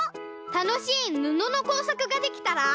たのしいぬののこうさくができたら。